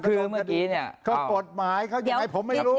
คือเมื่อกี้เนี่ยก็กฎหมายเขายังไงผมไม่รู้